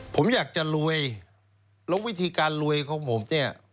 ผมอยากจะรวยแล้ววิธีการรวยของผมเนี่ย